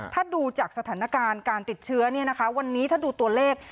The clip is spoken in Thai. ถ้าดูจากสถานการณ์การติดเชื้อวันนี้ถ้าดูตัวเลข